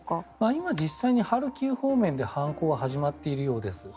今、実際にハルキウ方面で反攻は始まっているようです。